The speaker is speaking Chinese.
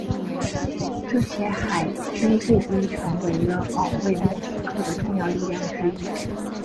这些海军步兵成为了保卫莫斯科的重要力量之一。